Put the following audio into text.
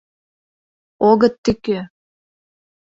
огыт тӱкӧ.